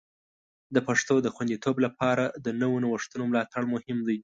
د پښتو د خوندیتوب لپاره د نوو نوښتونو ملاتړ مهم دی.